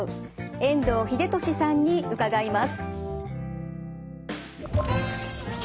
遠藤英俊さんに伺います。